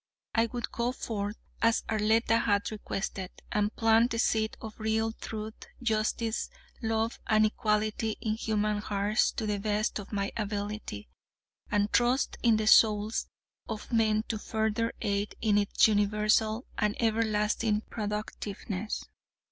I would go forth, as Arletta had requested, and plant the seed of real truth, justice, love, and equality in human hearts to the best of my ability, and trust in the souls of men to further aid in its universal and everlasting productiveness.